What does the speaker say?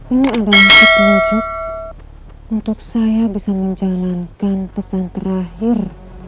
ini ada maksud wujud untuk saya bisa menjalankan pesan terakhir